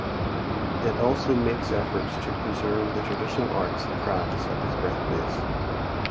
It also makes efforts to preserve the traditional arts and crafts of its birthplace.